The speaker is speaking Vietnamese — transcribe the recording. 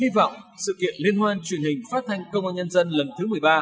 hy vọng sự kiện liên hoan truyền hình phát thanh công an nhân dân lần thứ một mươi ba